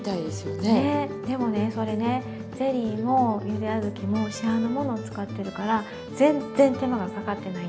ねでもねそれねゼリーもゆであずきも市販のものを使ってるから全然手間がかかってないんです。